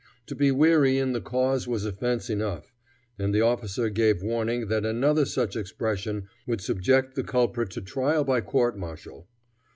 To be weary in the cause was offense enough, and the officer gave warning that another such expression would subject the culprit to trial by court martial.